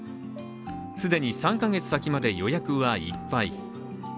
既に３か月先まで予約はいっぱい。